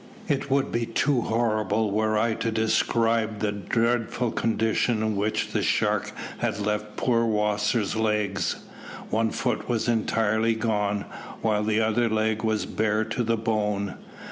It would be too horrible were I to describe the dreadful condition in which the shark had left poor Wasser's legs. One foot was entirely gone, while the other leg was bare to the bone.